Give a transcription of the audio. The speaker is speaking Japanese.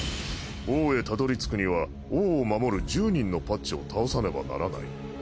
王へたどり着くには王を守る１０人のパッチを倒さねばならない。